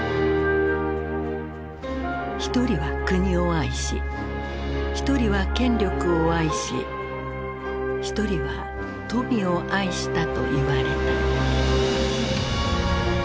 「一人は国を愛し一人は権力を愛し一人は富を愛した」といわれた。